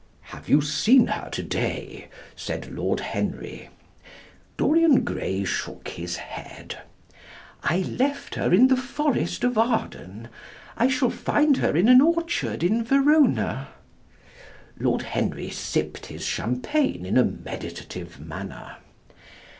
"Have you seen her to day?" said Lord Henry. Dorian Gray shook his head. "I left her in the forest of Arden, I shall find her in an orchard in Verona." Lord Henry sipped his champagne in a meditative manner.